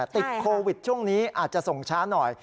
ติดโควิดช่วงนี้อาจจะส่งช้าหน่อย